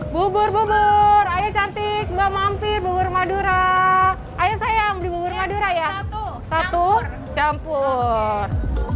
bubur bubur ayo cantik mbak mampir bubur madura ayo sayang di bubur madura ya satu campur